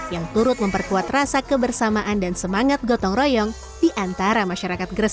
yang turut memperkuat rasa kebersamaan dan semangat gotong royong di antara masyarakat gresik